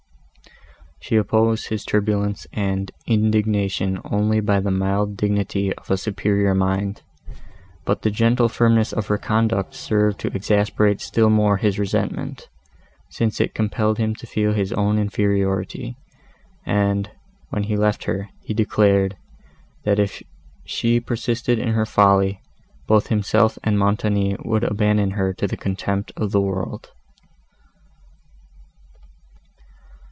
She opposed his turbulence and indignation only by the mild dignity of a superior mind; but the gentle firmness of her conduct served to exasperate still more his resentment, since it compelled him to feel his own inferiority, and, when he left her, he declared, that, if she persisted in her folly, both himself and Montoni would abandon her to the contempt of the world.